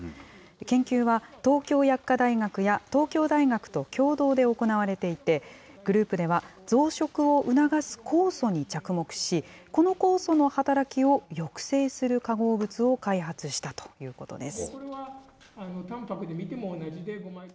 研究は東京薬科大学や東京大学と共同で行われていて、グループでは増殖を促す酵素に着目し、この酵素の働きを抑制する化合物を開発したということです。